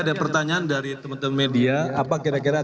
kuno bengkel kalau kubah jauh credit card